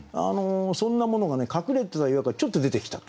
そんなものが隠れてた岩からちょっと出てきた。